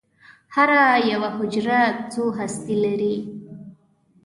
هره یوه حجره څو هستې لري.